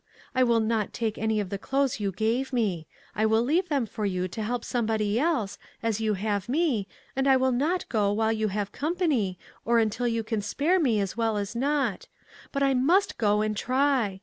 I will not take any of the clothes you gave me. I will leave them for you to help somebody else, as you have me, and I will not go while you have company, or until you can spare me as well as not; but I must go and try.